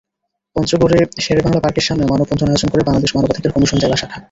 পঞ্চগড়ে শেরেবাংলা পার্কের সামনে মানববন্ধন আয়োজন করে বাংলাদেশ মানবাধিকার কমিশন জেলা শাখা।